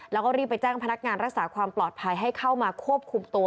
แล้วก็รีบไปแจ้งพนักงานรักษาความปลอดภัยให้เข้ามาควบคุมตัว